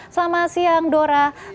selamat siang dora